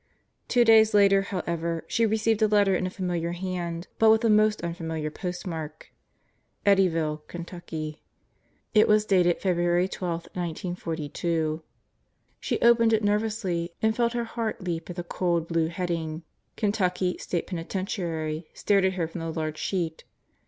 Two days later, however, she received a letter in a familiar hand but with a most unfamiliar postmark Eddyville, Ken tucky. It was dated February 12, 1942. She opened it nervously and felt her heart leap as the cold blue heading KENTUCKY STATE PENITENTIARY stared at her from the large sheet.